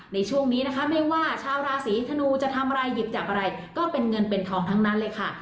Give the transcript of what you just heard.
ในช่วงนี้นะคะไม่ว่าชาวราศีธนูจะทำอะไรหยิบจับอะไรก็เป็นเงินเป็นทองทั้งนั้นเลยค่ะ